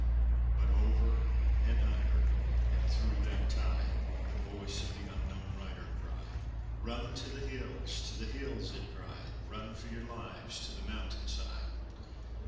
But over and under and through that tide The voice of the unknown rider cried, "Run to the hills! to the hills!" it cried, "Run for your lives to the mountain side!"